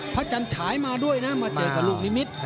จันฉายมาด้วยนะมาเจอกับลูกนิมิตร